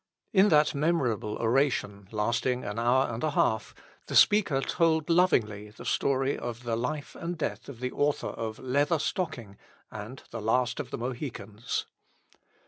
In that memorable oration, lasting an hour and a half, the speaker told lovingly the story of the life and death of the author of "Leather Stocking" and "The Last of the Mohicans."